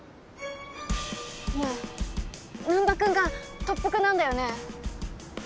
ねえ難破君が特服なんだよね？